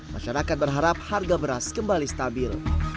masyarakat berharap harga beras kembali stabil